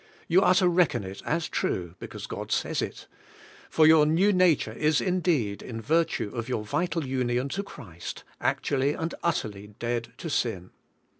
You are to reckon it as true, be™ cause God says it — for 3^our new nature is indeed, in virtue of your vital union to Christ, actually and utterl}' dead to sin.